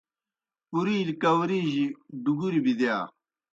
پُرِیلِیْ کاؤری جیْ ڈُگُریْ بِدِیا۔